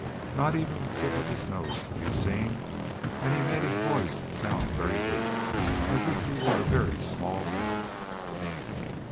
Not even the tip of his nose could be seen and he made his voice sound very weak, as if he were a very small animal.